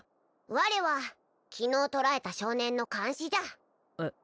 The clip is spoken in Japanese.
我は昨日捕らえた少年の監視じゃえっ？